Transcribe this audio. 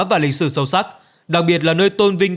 và lịch sử sâu sắc đặc biệt là nơi tôn vinh